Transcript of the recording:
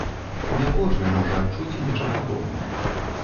Не кожны можа адчуць нешта падобнае.